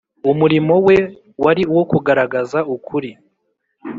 umurimo we wari uwo kugaragaza ukuri